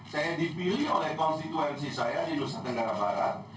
saya dipilih oleh konstituensi saya di nusa tenggara barat